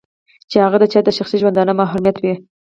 چې هغه د چا د شخصي ژوندانه محرمات وي.